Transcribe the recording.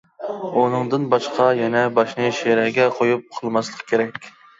ئۇنىڭدىن باشقا، يەنە باشنى شىرەگە قويۇپ ئۇخلىماسلىق كېرەك.